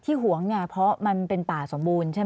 หวงเนี่ยเพราะมันเป็นป่าสมบูรณ์ใช่ไหม